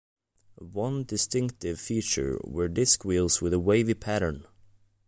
One distinctive feature were disc wheels with a wavy pattern.